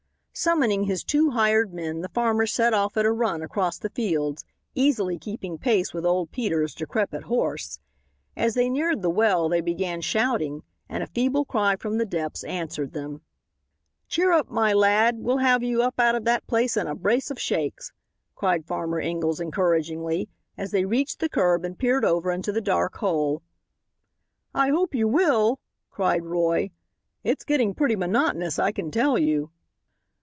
Summoning his two hired men the farmer set off at a run across the fields, easily keeping pace with old Peter's decrepit horse. As they neared the well they began shouting, and a feeble cry from the depths answered them. "Cheer up, my lad, we'll have you out of that in a brace of shakes," cried Farmer Ingalls encouragingly, as they reached the curb and peered over into the dark hole. "I hope you will," cried Roy. "It's getting pretty monotonous, I can tell you."